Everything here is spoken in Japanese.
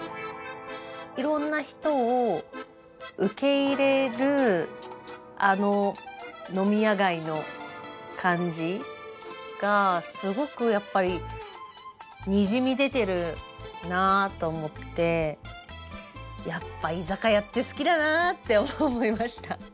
いろんな人を受け入れるあの飲み屋街の感じがすごくやっぱりにじみ出てるなと思ってやっぱ居酒屋って好きだなって思いました。